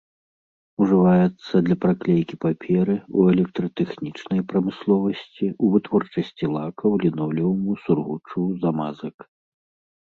Ужываецца для праклейкі паперы, у электратэхнічнай прамысловасці, у вытворчасці лакаў, лінолеуму, сургучу, замазак.